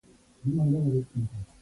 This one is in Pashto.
شک د یقین د محدودیت ماتوي.